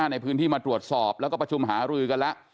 ในพื้นที่มาตรวจสอบแล้วก็ประชุมหารือกันแล้ว